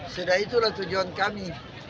sudah itulah tujuan kami